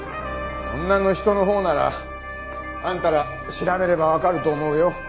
女の人のほうならあんたら調べればわかると思うよ。